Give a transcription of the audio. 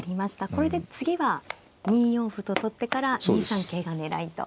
これで次は２四歩と取ってから２三桂が狙いと。